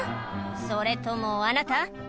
それともあなた？」